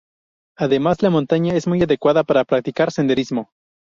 Además, la montaña es muy adecuada para practicar senderismo.